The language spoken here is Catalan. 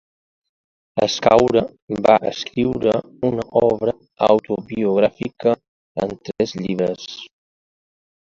Escaure va escriure una obra autobiogràfica en tres llibres.